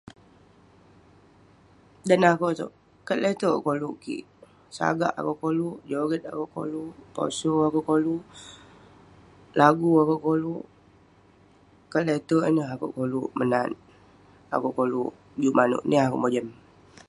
dan neh akouk itouk, kat le'terk koluk kik, sagak akouk koluk, joget akouk koluk, poso akouk koluk, lagu akouk koluk, kat le'terk ineh akouk koluk menat, akouk koluk juk manouk niah akouk mojam